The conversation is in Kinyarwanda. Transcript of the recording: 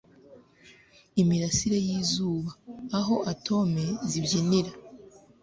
imirasire y'izuba, aho atome zibyinira